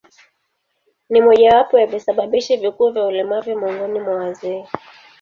Ni mojawapo ya visababishi vikuu vya ulemavu miongoni mwa wazee.